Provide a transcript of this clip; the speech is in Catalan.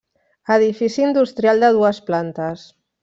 Edifici industrial de dues plantes.